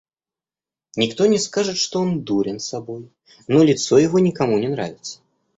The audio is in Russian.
Никто не скажет, что он дурен собой, но лицо его никому не нравится.